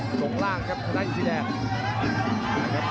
ลงล่างครับขนาดอิศิแดง